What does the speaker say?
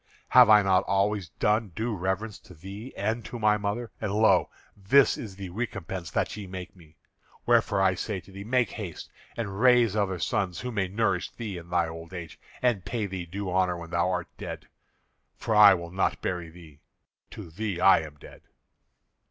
Have I not always done due reverence to thee and to my mother? And, lo! this is the recompense that ye make me. Wherefore I say to thee, make haste and raise other sons who may nourish thee in thy old age, and pay thee due honour when thou art dead, for I will not bury thee. To thee I am dead."